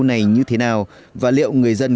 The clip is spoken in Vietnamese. này như thế nào và liệu người dân